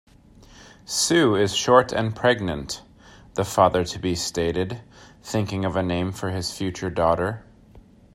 "Sue is short and pregnant", the father-to-be stated, thinking of a name for his future daughter.